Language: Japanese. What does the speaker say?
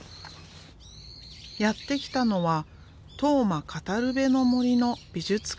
やって来たのは「当麻かたるべの森」の美術館。